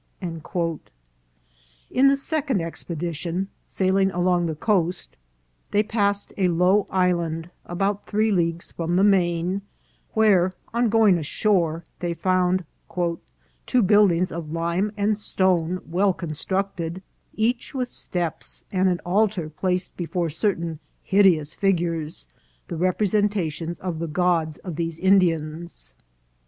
In the second expedition, sailing along the coast, they passed a low island, about three leagues from the main, where, on going ashore, they found " two buildings of lime and stone, well constructed, each with steps, and an altar placed before certain hideous figures, the rep resentations of the gods of these Indians."